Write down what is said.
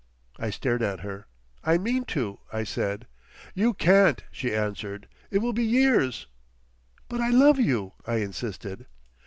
I stared at her. "I mean to," I said. "You can't," she answered. "It will be years" "But I love you," I insisted.